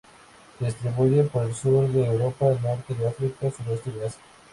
Se distribuye por el Sur de Europa, Norte de África, Suroeste de Asia.